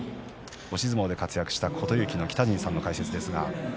押し相撲で活躍した琴勇輝の北陣さんの解説です。